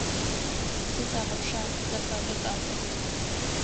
Сызэгъэпшагъ, зэфэдых ахэр!